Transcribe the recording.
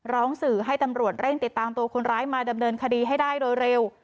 ร้องสื่อให้ตำรวจเร่งติดตามตัวคนร้ายมาดำเนินคดีให้ได้โดยเร็ว